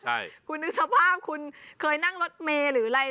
ใช่คุณนึกสภาพคุณเคยนั่งรถเมย์หรืออะไร